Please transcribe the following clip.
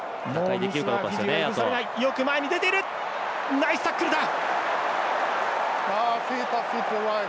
ナイスタックルだ。